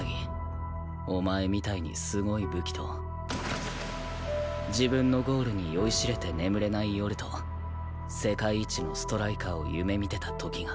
お前みたいにすごい武器と自分のゴールに酔いしれて眠れない夜と世界一のストライカーを夢見てた時が。